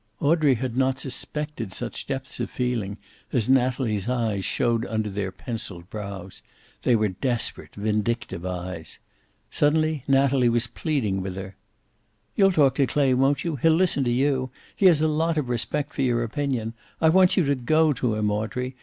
Audrey had not suspected such depths of feeling as Natalie's eyes showed under their penciled brows. They were desperate, vindictive eyes. Suddenly Natalie was pleading with her. "You'll talk to Clay, won't you? He'll listen to you. He has a lot of respect for your opinion. I want you to go to him, Audrey.